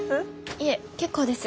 いえ結構です。